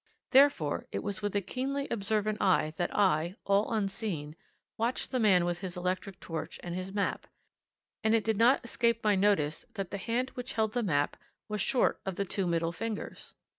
Therefore it was with a keenly observant eye that I, all unseen, watched the man with his electric torch and his map, and it did not escape my notice that the hand which held the map was short of the two middle fingers.